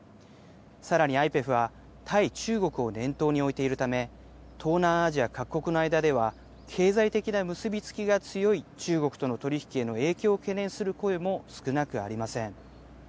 さらにＩＰＥＦは、対中国を念頭に置いているため、東南アジア各国の間では、経済的な結び付きが強い中国との取り引きへの影響を懸念する声も少なくありません。